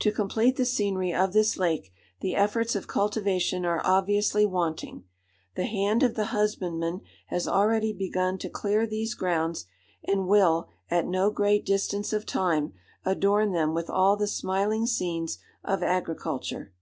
"To complete the scenery of this lake, the efforts of cultivation are obviously wanting. The hand of the husbandman has already begun to clear these grounds, and will, at no great distance of time, adorn them with all the smiling scenes of agriculture.